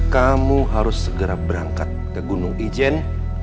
kamu harus segera berangkat ke gunung ijen